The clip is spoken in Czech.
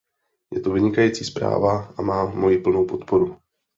Je to vynikající zpráva a má moji plnou podporu.